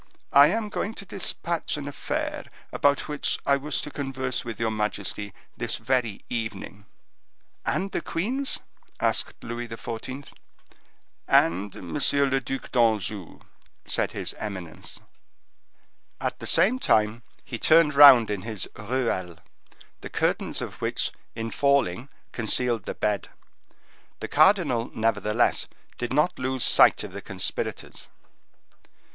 I am going to dispatch an affair about which I wish to converse with your majesty this very evening." "And the queens?" asked Louis XIV. "And M. le Duc d'Anjou," said his eminence. At the same time he turned round in his ruelle, the curtains of which, in falling, concealed the bed. The cardinal, nevertheless, did not lose sight of the conspirators.